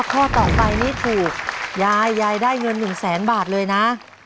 ข้อต่อไปนี้ถูกยายยายได้เงิน๑แสนบาทเลยนะ